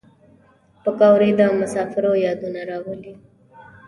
پکورې د مسافرو یادونه راولي